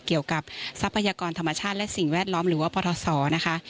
เกี่ยวกับทรัพยากรธรรมชาติและสิ่งแวดล้อมหรือว่าปฏศรนะคะ